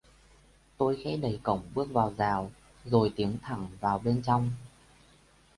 Tôi khẽ đẩy cổng bước vào rào, rồi tiếng thẳng vào bên trong